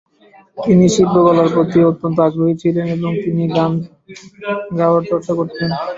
তিনি শিল্পকলার প্রতি অত্যন্ত আগ্রহী ছিলেন এবং তিনি গান গাওয়ার চর্চা করতেন।